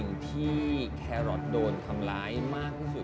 มันเห็นชัดนะคะครึ่งตัว